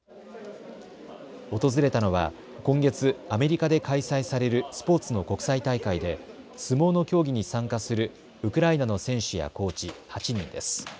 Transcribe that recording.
訪れたのは今月アメリカで開催されるスポーツの国際大会で相撲の競技に参加するウクライナの選手やコーチ８人です。